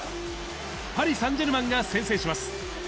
パリサンジェルマンが先制します。